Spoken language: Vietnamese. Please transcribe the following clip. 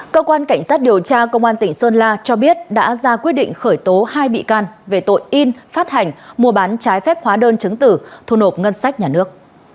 cơ quan cảnh sát điều tra công an tỉnh sơn la cho biết đã ra quyết định khởi tố hai bị can về tội in phát hành mua bán trái phép hóa đơn chứng tử thu nộp ngân sách nhà nước